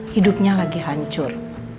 hidupnya lagi hancur